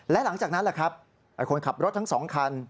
และหลังจากนั้นคนขับรถทั้ง๒คัน